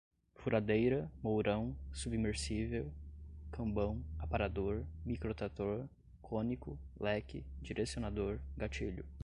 furadeira, mourão, submersível, cambão, aparador, microtrator, cônico, leque, direcionador, gatilho